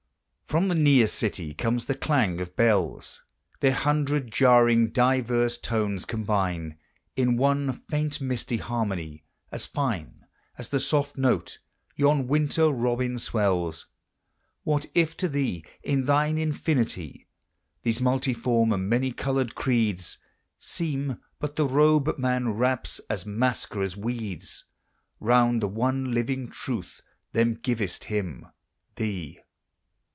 From the near city comes the clang of bells: Their hundred jarring diverse tones combine In one faint misty harmony, as fine As the soft note yon winter robin swells. What if to Thee in thine infinity These multiform and many colored creeds Seem but the robe man wraps as masquers' weeds Round the one living truth them givest him Thee?